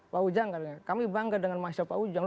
pak ujang katanya kami bangga dengan mahasiswa pak ujang